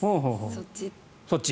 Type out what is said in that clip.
そっち。